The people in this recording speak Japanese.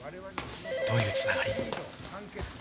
どういう繋がり？